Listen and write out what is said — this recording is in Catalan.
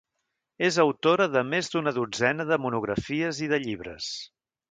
És autora de més d'una dotzena de monografies i de llibres.